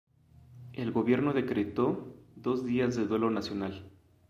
El gobierno decreto dos días de duelo nacional.